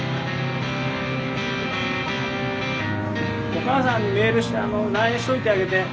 お母さんにメールしてＬＩＮＥしといてあげて。